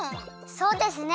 そうですね。